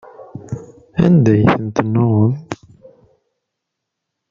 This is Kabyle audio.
Anda ay ten-tennuɣeḍ?